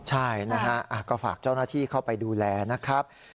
ใช่นะฮะก็ฝากเจ้าหน้าที่เข้าไปดูแลนะครับ